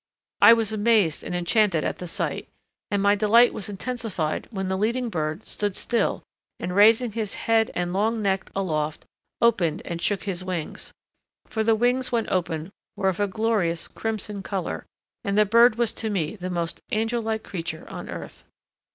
I was amazed and enchanted at the sight, and my delight was intensified when the leading bird stood still and, raising his head and long neck aloft, opened and shook his wings. For the wings when open were of a glorious crimson colour, and the bird was to me the most angel like creature on earth.